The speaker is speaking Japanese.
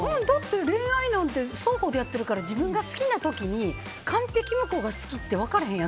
恋愛なんて双方でやっているから自分が好きな時に完璧向こうが好きって分からへんやん。